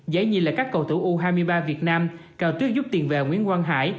giải nhìn là các cầu thủ u hai mươi ba việt nam cào tuyết giúp tiền vẹo nguyễn quang hải